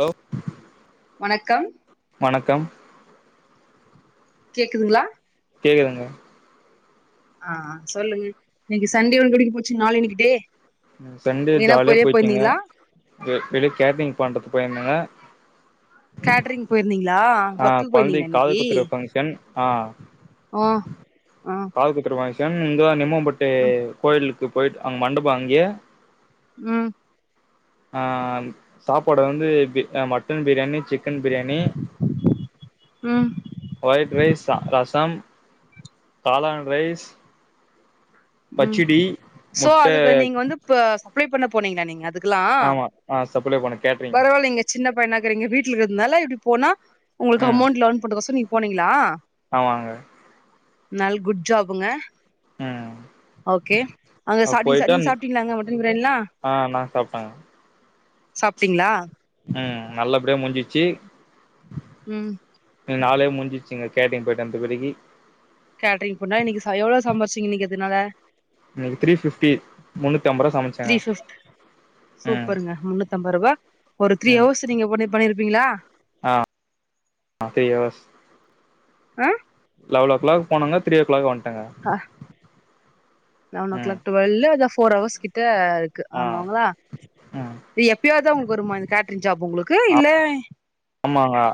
Low வணக்கம் வணக்கம் கேக்குதுங்ளா கேக்குதுங்க ஆ சொல்லுங்க இன்னிக்கு சண்டேவோ ஓடிப்போச்சு நாலன்னிக்கு டே சண்டே எங்கனா ஜாலியா வெளிய போயிச்சுங்க போயிருந்தீங்களா வெ வெளியே கேட்ரிங் பண்றதுக் போயிருந்த கேட்ரிங் போயிர்ந்தீங்ளா ஒர்க்குக் போயிர்ந்தீங்ளா இன்னிக்கி கன் ஆ ஆ அ காதுகுத்தர ஃபக்ஷன் இங்கதா நிம்மாம்பட்டு கோயிலுக்கு போயிட் அங் மண்டபோ அங்கயே ம் ஆ சாப்பாடு வந்து பி அ mutton biryani chicken biryani ம் ஒயிட் ரைஸ் ரசம் காலாண் ரைஸ் ம் பச்சடி சோ முட்ட அதுக்கு நீங்க வந்து ப்பா சப்ளை பண்ண போனீங்ளா நீங்க அதுக்லா ஆமா ஆ சப்ளை பண்ண கேட்ரிங் பரவாயில்லிங்க சின்ன பையனாக்குறீங்க வீட்ல இருக்கர்தனால இப்டி போனா உங்ளுக்கு ம் அமௌண்ட் லேன் பண்றக்கொசோ நீங்க போனீங்ளா ஆமாங்க நல் குட் ஜாபுங்க ம் ஓகே அங்க அ சாப்டி நீங் போயிட்டா நீங்க சாப்டீங்ளா அங்க மட்டன் பிரியாணிலா ஆ நா சாப்ட்டங்க சாப்ட்டீங்ளா ஆ நல்லபடியா முஞ்சிச்சு ம் நாலே முஞ்சிச்சிங்க கேட்டிங் போயிட்டு வந்ட பிறகு கேட்ரிங் போனா இன்னிக்கி ச எவ்ளோ சம்பார்ச்சிங்க இன்னிக்கி அதுனால இன்னிக்கி த்ரீ ஃப்ஃப்டி த்ரீ ஃபிஃப் ம் சூப்பருங்க முன்னூத் தம்பரூபா ஒரு த்ரீ ம் ஹவர்ஸ் நீங்க பண்ணி பண்ணிருப்பீங்ளா ஆ த்ரீ ஹவர்ஸ் ஆ லெவலோ க்ளாக் போனங்க த்ரீ யோ க்ளாக் வந்ட்டங்க ஹ லெவனோ ஓ ம் க்ளாக் டுவெல்லு அதா ஃபோர் ஹவர்ஸ் கிட்ட க்கு ஆ ஆமாங்ளா ம் இது எப்பியாவத்தா உங்ளுக்கு வருமா கேட்ரிங் ஜாப் உங்ளுக்கு இல்ல ஆமாங்க்கா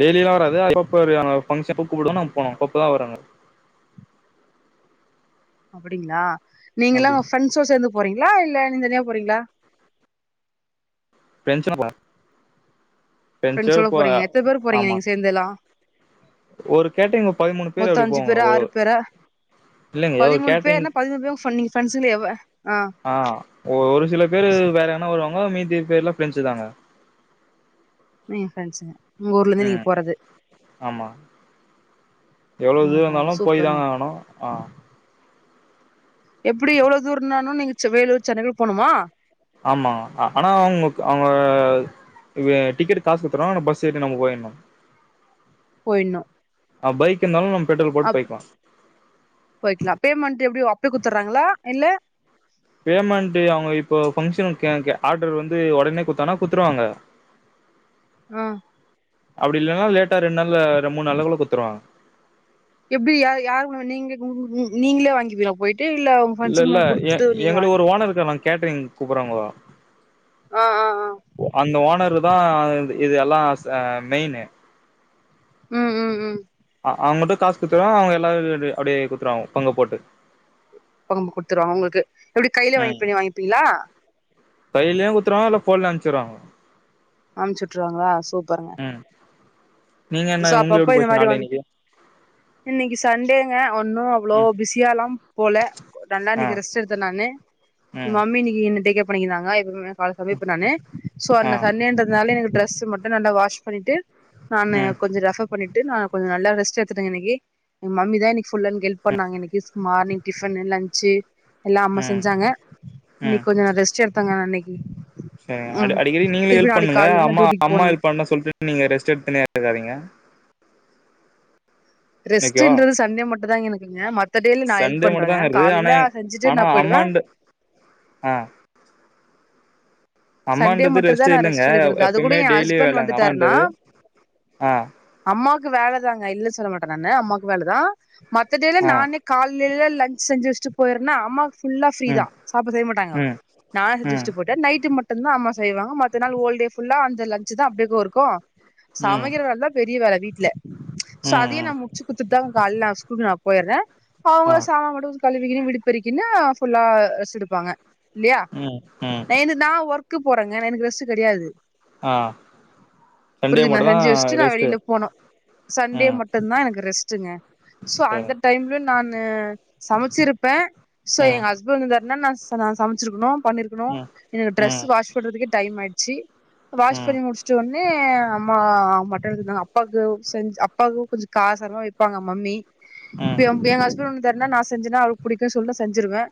டெய்லிலா வராது அப்பப்ப ஒரு அங்க ஃப்க்ஷன் அப்ப கூப்டுவாங்க நம்ம போனோ அப்பப்பதா வரோங்க அப்படிங்ளா நீங்கல்லா அப்டி உ ஃப்ரெண்ட்ஸோ சேந்து போறீங்ளா இல்ல நீங் தனியா போறீங்ளா ஃப்ரெண்ட்ஸுங்க கூட ஃப்ரெண்ட்ஸோ ஃப்ரெண்ட்ஸோட போ போறீங்க எத்தன பேர் போறீங்க ஆமா நீங்க சேந்தெல்லா ஒரு கேட்ரிங் பதிமூணு பேர் மொத்தோ அப்டி அஞ்சு போவோங்க பேரா ஒரு ஆறு பேரா இல்லைங்க ஏதோ ஒரு பதிமூணு கேட்டரிங் பேர்னா பதிமூணு பேரு நீங்க ஃப்ரெண்ட்சுங்ளேவ்வா ஆ ஆ ஒ ஒரு சில பேரு வேற எங்னா வருவாங்க மீதீ பேர்ல ப்ஃரெண்ஸ்சு தாங்க ம் ஃப்ரண்சுங்க உங்க ஊர்ல இருந்து நீங்க ம் போரது ஆமா எவ்ளோ தூரோ ஓஹோ இந்தாலு போய்தா சூப்பருங்க ஆகணோ ஆ எப்டி எவ்ளவு தூரனாலு நீங்க வேலூர் சென்னைக் போனுமா ஆமா ஆனா அவங்களுக் அவங்க இது டிக்கெட்டுக்காசு குத்துற்றுவாங்க ஆன பஸ் ஏறி நம்ம போயிண்ணு போயிண்ணு அ பைக் இர்ந்தாலு நம் பெட்ரோல் போட்டு போய்க்லா போய்க்கலா பேமெண்ட் எப்டியோ அப்பியே குத்துர்றாங்ளா இல்ல பேமெண்ட்டு அவுங்க இப்போ பங்ஷனு கே கே ஆட்ரு வந்து ஒடனே குத்தாங்னா குத்துடுவாங்க ஆ அப்டி இல்லனா லேட்டா ரெண்டு நாள் ர மூணு நாள்ல குத்துருவாங்க எப்டி ய யாரு நீங்க உ நீங்களே வாங்கிபிங்லா போய்ட் இல்லாவு இல்ல இல்ல எங் எங்களுக்கு ஒரு ஓனர் இருக்கார் நாங் கேட்டரிங் கூப்பறாங்களா ஆ ஆ ஆ அந்த ஓனர் பா இது எல்லா மெயினு ம் ம் ம் அவங்கிட்ட காசு குடுத்துவ அவங்க எல்லாரு அப்டியே குடுத்துடுவாங்க பங்கு போட்டு பங்கு கொடுத்துருவாங்க உங்களுக்கு எப்டி கையில ம் வாங்கி வாங்கிப்பீங்களா கையிலயு குத்துருவாங்க இல்ல ஃபோன்லயு அனுப்ச்சுருவாங்க அமுச்சுட்டுருவாங்களா சூப்பருங்க ம் நீங்க என்ன இசோ அப்ப உங்களுக்கு அப்ப எப்படி இந்த போச்சு மாரி நாளு வந் இன்னைக்கு இன்னைக்கு சண்டேங்க ஒண்ணு அவ்ளோ ம் பிஸியா எல்லா போல நல்லா ஆ இன்னைக்கு ரெஸ்ட்டு எடுத்தே நானு ம் மம்மி இன்னைக்கு என்ன பண்ணிக்காங்க [inaudible] கா சமைப்பே நானு ஸோ ஆ சண்டேன்றதுனால எனக்கு டிரஸ் மட்டு நல்லா வாஷ் பண்ணிட்டு நானு ம் கொஞ்ச ரெபர் பண்ணிட்டு நா கொஞ்சோ நல்லா ரெஸ்ட் எடுத்துட்டே இன்னைக்கு எ மம்மி தா இன்னைக் ஃபுல்லா கெல்ப் ம் பண்ணாங்க இன்னைக்கு சு மார்னிங் டிபன் லன்ச்சு எல்லா அம்மா ம் செஞ்சாங்க இன்னைக்கு கொஞ்சோ நா ரெஸ்ட் எடுத்தாங்க இன்னைக்கு சேரி அடி ம் அடிக்கடி நீங்களு திருப்பி ஹெல்ப் நாளைக்கு பண்ணுங்க காலையிலருந்து நா அம்மா டியூட்டிக்கு அம்மா போனுங்க ஹெல்ப் பண்ணா சொல்லிட்டு நீங்க ரெஸ்ட் எடுத்துனே இருக்காதீங்க ஓகேவா ரெஸ்ட்ன்றது சன்டே மட்டு தான்ங்க எனக்குங்க மத்த டேல நா ஹெல்ப் சண்டே பண்றேங்க மட்டுந்தாங்க வருது ஆனா காலையில செஞ்சுட்டு நா ஆனா போயிடுவே அம்மான்டு ஆ சண்டே அம்மான்றது மட்டு தா ரெஸ்ட்டே நா இல்லங்க ரெஸ்ட் எடுக்கறது அது கூட எப்பயுமே என் டெய்லி ஹஸ்பண்ட் வேலங்க வந்துட்டாருனா அம்மான்றது ஆ அம்மாவுக்கு வேலதாங்க இல்லன்னு சொல்ல மாட்டே நானு அம்மாவுக்கு வேலைதா மத்த டேல ஆ நானு காலைலேல லஞ்ச்சு செஞ்சு வச்சிட்டு போயிருனா அம்மாக் ஃபுல்லா ஃப்ரீ தா ம் சாப்பிட செய்ய மாட்டாங்க ம் நானே செஞ்சு ம் வச்சு போயிட்டா நைட்டு மட்டு ம தா அம்மா செய்வாங்க மத்த நாள் ஓல் டேல்ல அந்த லஞ்சு தா அப்டிக்கு இருக்கு ம் சமைக்க வேலதா பெரிய வேல வீட்டுல சோ ம் அதையே ம் நா முடிச்சு குடுத்துட்டு தா கால நா ஸ்கூலுக்கு நா போயிடுறே ஆ அவுங்க சாம மட்டு கழுவிக்கினு விடுப்பெறிக்கினு ஃபுல்லா ரெஸ்ட் எடுப்பாங்க இல்லயா ம் ம் ந நா ஒர்க்கு போறேங்க எனக்கு ரெஸ்ட் கெடையாது ஆ சண்டே புரியுதுங் நா மட்டுந்தா செஞ்சு வச்சுட்டு நா ரெஸ்ட்டு வெளியில போனோ சண்டே ம் மட்டுதா எனக்கு ரெஸ்ட்டுங்க சோ சரி அந்த டைம்ல நானு சமைச்சிருப்பே சோ ம் எங்க ஹஸ்பண்ட் வந்தாருன்னா நா நா சமைச்சிருக்கணு பண்ணிருக்குனு ம் எனக்கு ம் ட்ரஸ் ம் வாஷ் பண்றதுக்கே டைம் ஆயிடுச்சு வாஷ் ம் பண்ணி முடுச் சு உடனே அம்மா மட்டன் இருந்தாங்க அப்பாவுக்கு செஞ்ச அப்பாவுக்கு கொஞ்ச காரசாரமா வப்பாங்க மம்மி இப்ப ம் எங் ஹஸ்பண்ட் வந்துட்டாருண்ணா நா செஞ்சேனா அவருக்கு புடிக்கு சொல்லி நா செஞ்சிருவே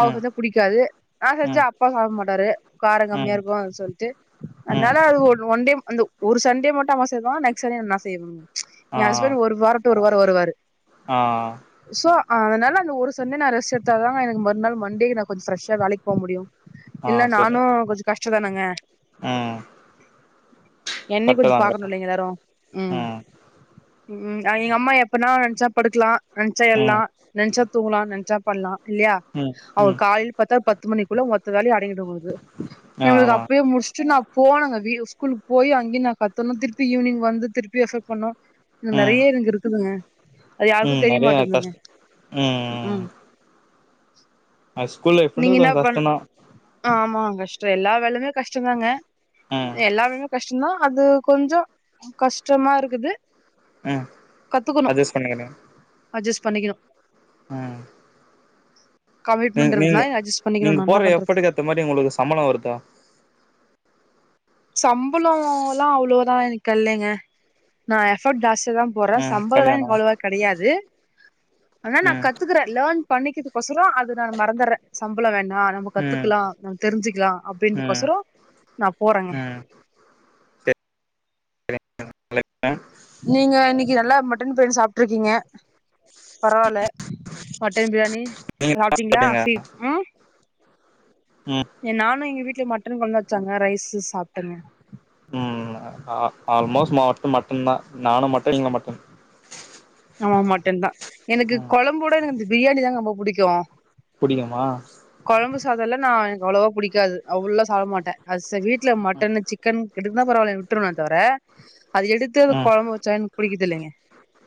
அவுக தா புடிக்காது நா செஞ்சா அப்பா சாப்ப மாட்டாரு கார ம் கம்மியா ம் இருக்கு சொல்லுட்டு ம் அதனால அது ஓ ஒன் டே அந்த ஒரு சண்டே மட்டு அம்மா செய்வா நெக்ஸ்ட் சண்டே நா செய்வே எ ஆ ஹஸ்பண்ட் ஒரு வாரம் ஒரு வாரோ வருவாரு ஆ சோ அதனால அந்த ஒரு சண்டே நா ரெஸ்ட எடுத்தாதாங்க எனக்கு மறு நாள் மண்டேக்கு நா கொஞ்சோ ஃப்ரெஷ வேலைக்கு போக முடியு ஆ இல்ல சரி நானு கொஞ்ச கஷ்ட தானேங்க ம் என்னய் கொஞ்ச கரெக்ட்டுதா பாக்கணு கரெக்ட்டு இல்லங்க எல்லாரு ம் எங்க அம்மா எப்னா நெனைச்சா படுக்கலா நெனைச்சா ம் எழலா ம் நெனைச்சா தூங்கலா நெனைச்சா பண்ணலா இல்லயா ம் அவ்ங்க ம் காலயில பாத்தா பத்து மணிக்குள்ள மொத்தவேலையு அடங்கிடு போது ஆ எங்களுக்கு ஆமா அப்யே முடிச்சுட்டு நாப் போனாங்க வீயு ஸ்கூலுக்கு போய் அங்கயோ நா கத்தணு திருப்பி ஈவினங் வந்து திருப்பி எஃப்ட் பண்ணோ ம் நெறய எங்க இருக்குதுங்க அது ம் யாருக்கு நெறைய தெரியமாட்டேந்தங்க கஷ்ட ம் உஹூம் ஆ ஸ்கூல்ல பைஃப்ன்றதா கொஞ்ச கஷ்ட தா ஆமாங்க கஷ்ட எல்லா வேலயுமே கஷ்டந்தாங்க ம் எல்லா வேலயு கஷ்டந்தா அது கொஞ்சோ கஷ்டமா இருக்குது ம் கத்துக்கணு அட்ஜஸ்ட் பண்ணிக்கிறீங்க அட்ஜஸ்ட் பண்ணிக்கணு ம் கமிட்மெண்ட் இருந்த அட்ஜஸ்ட் பண்ணிக்கணு நா என்ன பண்றது இந்த மாரி உங்களுக்கு சம்பள வருதா சம்பளோ எல்லா அவ்ளோதான் எனக்கு இல்லங்க நா எஃபர்ட் ஜாஸ் திதா போறேன் ம் சம்பளம்ல்லா கம்மியானா எனக்கு அவ்ளவா கெடயாது ஆனா நா ம் கத்துக்கறே லேர்ன் பண்ணக்குது கொசரோ அது நா மறந்தற சம்பள வேணா நா ம ம் கத்துக்கலா நம்ம தெரிஞ்சுக்கலா ம் அப்டின்றக்கொசரோ நா போறேங்க ம் [unintelligible] நீங்க இன்னிக்கி நல்லா மட்டன் பிரியாணி சாப்ட்டுருக்கீங்க பரவால்ல மட்டன் பிரியாணி நீங்க என்ன சாப்டிங்களா சாப்ட்டீங்க சீப் ம் ம் எ நானு எங்க வீட்ல மட்டன் கொழம்புதா வச்சங்க ரைசு சாப்ட்டேங்க ம் ஆ ஆல்மோஸ்ட் மாவட்டு மட்டன் தா நானு மட்டன் நீங்க மட்டன் ஆமா மட்டன் தா எனக்கு ம் கொழம்போட எனக்கு அந்த பிரியாணி தாங்க ரொம்ப புடிக்கு புடிக்குமா கொழம்பு சாதம்லா நா எனக்கு அவ்ளோவா புடிக்காது அவ்ளோ சாப்ட மாட்டே அது வீட்டு வீட்ல மட்டனு சிக்கன் எடு தா பரவால விட்ருவேன தவிர அது எடுத்து அத ம் கொழம்பு வச்ச புடிக்குது இல்லங்க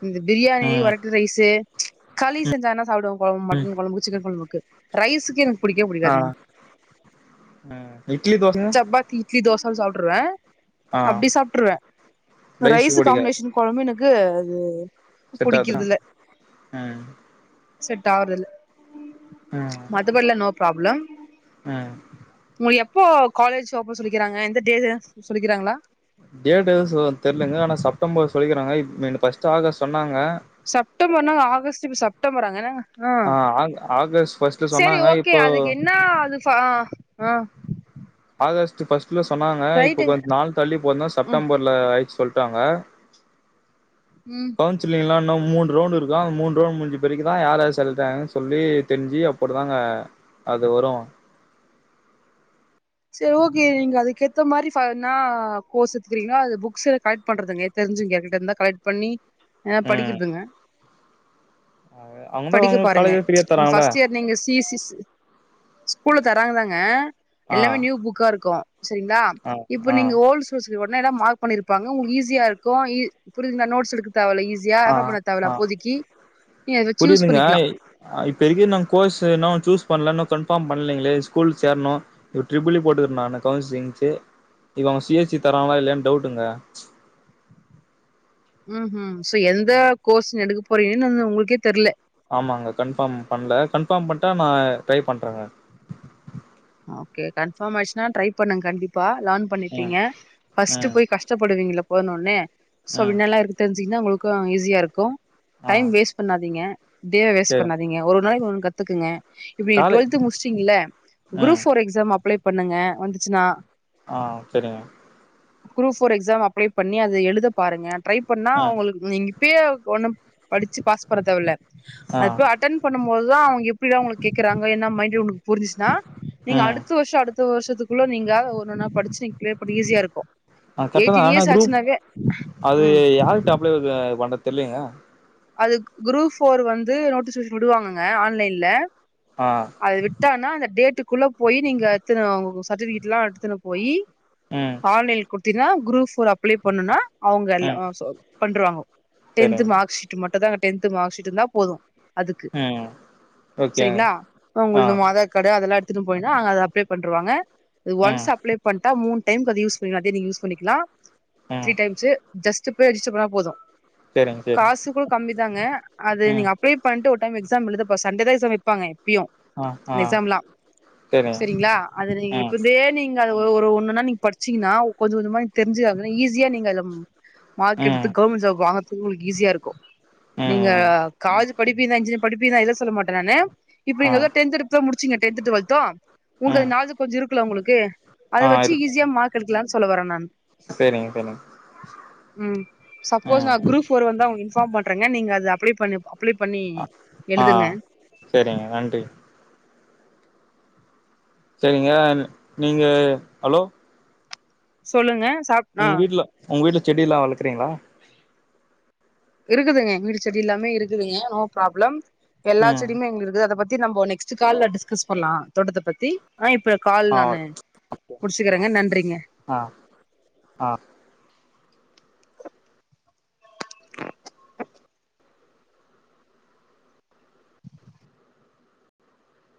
இந்த பிரியாணி ம் வரட்டு ரைசு களி செஞ்சானா சாப்புடுவோ கொழம்பு மட்டன் கொழம்பு சிக்கன் கொழம்புக்கு ரைஸுக்கு எனக்கு புடிக்கவே புடிக்காதுங்க ஆ இட்லி தோச சப்பாத்தி இட்லி தோசனு சாப்டுருவே ஆ அப்டி சாப்ட்டுருவே ரைஸு ரைஸ் பொடிக்க காம்பினேஷன் கொழம்பு எனக்கு அது செட் ஆகுதுல புடிக்குதுல ம் செட் ஆகறதல ஆ மதுவல்லா நோ ப்ராப்ளம் ஆ உங்களுக்கு எப்போ காலேஜ் ஓபன் சொல்லிக்கிறாங்க எந்த டே சொல்லிக்கிறாங்களா டேட் எது தெரிலங்க ஆனா செப்டம்பர் சொல்லிக்கிறாங்க இப் ஃபஸ்ட் ஆகஸ்ட் சொன்னாங்க செப்டம்பர்னாங்க ஆகஸ்ட் இப்ப செப்டம்பர்ங்க ஆ ஆ ஆகஸ்ட் ஃபர்ஸ்ட்ல சேரி சொன்னாங்க ஓகே இப்போ அதுக்கு என்ன அது ஆ அ ஆகஸ்ட் ஃபஸ்ட்ல சொன்னாங்க இப்ப ரைட்டுங்க கொஞ்ச நாலு தள்ளி போனா ம் செப்டம்பர்ல ஆயிச்சு சொல் ட்டாங்க உம் கவுன்சிலிங்லா இன்னும் மூணு ரவுண்டு இருக்கம் அ மூணு ரவுண்டு முடிஞ்ச பிறகு தா யார் யாரு செலக்ட் ஆயிருக்காங்கனு சொல்லி தெரிஞ்சு போடுவாங்க அது வரும் சேரி ஓகே நீங்க அதுக்கு ஏத்த மாரி ஃபைனா கோர்ஸ் எடுத்துக்கிறீங்க அது புக்ஸ் எத கலெக்ட் பண்றதுங்க தெரிஞ்சு கேட்டுட்டே இருந்தா கலெக்ட் பண்ணி அ ம் படிக்கிறதுங்க அவங்கதா படிக்க அவங்க பாருங்க காலேஜ்ல ஃப்ரீயா தராங்கல்ல ஃபஸ்ட் இயர் நீங்க சி சி ஸ்கூல தராங்கதாங்க ஆ எல்லாமே நியூ புக்கா இருக்கு சேரிங்களா ஆ இப்ப ஆ நீங்க ஓல்டு உடனே எல்லா மார்க் பண்ணிருப்பாங்க உங்களுக்கு ஈஸியா இருக்கு புரிஞ்சுருந்தா நோட்ஸ் எடுக்க தேவல்ல ஈஸி ஸியா ஆ ரெஃபர் பண்ண தேவயில்ல ஆ அப்போதைக்கி நீ அத வச்சு யூஸ் பண்ணிக்கலா ஆ இப்ப இருக்கு நா கோர்ஸ்ஸூ இன்னு சூஸ் பண்ணல இன்னும் கன்பார்ம் பண்ணலைங்களே ஸ்கூல் சேரணு ஒரு ட்ரிபிள் இ போட்டுருக்க நானு கவுன்சிலிங்க்கு இப்ப அவங்க சி எஸ் சி தராங்களா இல்லயான்னு டவுட்டுங்க ம் ம் சோ எந்த ம். கோர்ஸ்ஸு எடுக்க போறீங்கன்னு இன்னு உங்களுக்கே தெர்ல ஆமாங்க கன்ஃபார்ம் பண்ணல கன்ஃபார்ம் பண்ட்டா நா ட்ரை பண்றங்க ஓகே கன்ஃபார்ம் ஆயிடுச்சுனா ட்ரை பண்ணுங்க கண்டிப்பா லர்ன் ம் பண்ணப்பீங் ஃபர்ஸ்ட்டு ம் போய் கஷ் ப்படுவீங்கள போன ஒடனே சோ ம் என்னலா இருக்கு தெரிஞ்சீங்கன்னா உங்களுக்கு ஈஸியா இருக்கு ஆ டைம் வேஸ்ட் பண்ணாதீங்க டேவ வேஸ்ட் சரி பண்ணாதீங்க ஒரு நாளைக்கு ஒன்னு கத் துக்குங்க இப்ப நீங்க காலே டுவெல்த்து முடிச்சீட்டங்கள குரூப் ம் ஃபோர் எக்ஸாம் அப்ளை பண்ணுங்க வந்துச்சுன்னா ஆ சரிங்க குரூப் ஃபோர் எக்ஸா அப்ளை பண்ணி அத எழுத பாருங்க ட்ரை பண்ணா ம் உங்களுக்கு நீங்க இப்பய ஒண்ணு படிச்ச பாஸ் பண்ண தேவல்ல ஆ அதுப்போய் அ ட்டன் பண்ணும் போதுதா அவங்க எப்டிடா உங்களுக்கு கேக்குறாங்க என்ன மாதிரி புரி ருந்துச்சுனா நீங்க ம் அடுத்த வருஷம் அடுத்த வருஷத்துக்குள்ள நீங்க ஒன்னொண்ணா படிச்சு க்ளியர் பண்ண ஈஸியா இருக்கு ஆ கரெக்ட்டதா எயிட்டீன் ஆனா இயர்ஸ் குரூப் ஆச்சுனாவே அது ம் யாருக்கிட்ட அப்ளை பண்ணுறது தெர்லேயங்க அது குரூப் ஃபோர் வந்து நோட்டிஸ்ஷன் விடுவாங்கங்க ஆன்லைன்ல ஆ அத விட்டானா அந்த டேட்டுக்குள்ள போய் நீங்க எடுத்து உங்க சர்டிஃபிகேட்ல்லா எடுத்துன்னு போய் ம் ஆன்லைன் கொடுத்தீங்கன்னா குரூப் ஃபோர் அப்ளை பண்ணுனா அவங்க எல்லா ம் பண்றுவாங்க டென்த் சரிங்க மார்க் ஷீட் மட்டும்தா டென்த் மார்க் ஷீட் இருந்தா போதும் அதுக்கு ம் ஓகேங்க சரிங்களா ஆ உங்களது மொத கட அதெல்லா எடுத்துட்டு போய்டனு அங்க அத ஆப்பிளை பண்ணிடுவாங்க ஒன்ஸ் ம் அப்ளே பண்ணிட்டா மூணு டைம்க்கு அத யூஸ் எல்லாத்தயு நீங்க யூஸ் பண்ணிக்கலா த்ரீ ம் டைம்ஸு ஜஸ்ட்டு போய் ரிஜிஸ்டர் பண்ணா போது செரிங்க சேர் காசு கூட கம்மி தாங்க அது நீங்க அப்ளே பண்ட்டு ஒரு டைம் எக்ஸாம் எழுதப்பா சண்டே தா எக்ஸாம் வைப்பாங்க எப்பயு ஆ ஆ எக்ஸாம்லா சரிங்க சரிங்களா அது நீங்க ம் இப்ப இருந்தே நீங் நீங்க அத ஒரு ஒன்னு ஒன்னா நீங்க படிச்சீங்கன்னா கொஞ்ச கொஞ்சமா நீங்க தெரிஞ்சுக்க ஈஸியா நீங்க அத மார்க் ம் எடுத்து கவர்மெண்ட் ஜாப் வாங்குறதுக்கு உங்குளுக்கு ஈஸியா இருக்கு நீங்க ம் காலேஜ் படிப்பீங்கதா இன்ஜினியரிங் படிப்பீங்க தா இல்ல சொல்ல மாட்டே நானு இப்ப ஆ நீங்கதா டென்த் டிப் முடிச்சீங் டென்த் டுவெல்த்து உங்க ம் நாலெஜ் கொஞ்ச இருக்குல உங்களுக்கு அத ஆ வச்சு இருக்கு ஈஸியா மார்க் எடுக்கலானு சொல்ல வரே நானு சரிங்க சரிங்க ம் சப்போஸ் நா ம் குரூப் ஃபோர் வந்தா உங்களுக்கு இன்ஃபார்ம் பன்றேங்க நீங்க அத அப்ளே பண்ணிப் அப்ளே பண்ணி அ ஆ எழுதுங்க சேரிங்க நன்றி சேரிங்க நீங்க ஹலோ சொல்லுங்க சாப் ஆ உங்க வீட்ல உங்க வீட்ல செடில்லா வளக்குறீங்களா இருக்குதுங்க எங்க வீட்ல செடி எல்லாமே இருக்குதுங்க நோ ப்ராப்ளம் எல்லா ம் செடியுமே [unintelligible] அதபத்தி த்தி நம்ம நெக்ஸ்ட் கால்ல டிஸ்கஸ் பண்ணலா தோட்டத்த பத்தி ஆ இப்ப கால் ஆ நானு முடிச்சுக்குறேங்க நன்றிங்க ஆ ஆ